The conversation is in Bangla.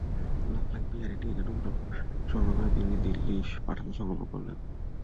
লাখ লাখ বিহারির ডিএনএ নমুনা সংগ্রহ করে তিনি দিল্লি পাঠানোর সংকল্প করলেন।